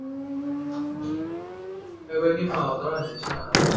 这一作用方式类似于顺磁性水盐溶液当中的离子作用使得溶液具有顺磁性。